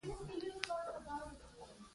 د نیوټن کیسه د جاذبې باور زېږولی.